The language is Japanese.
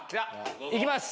いきます！